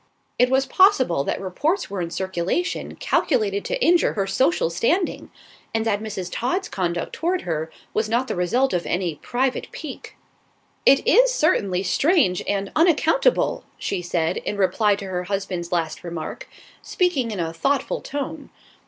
It was possible that reports were in circulation calculated to injure her social standing, and that Mrs. Todd's conduct toward her was not the result of any private pique. "It is certainly strange and unaccountable," she said, in reply to her husband's last remark, speaking in a thoughtful tone.